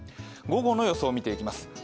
午後の予想を見ていきます。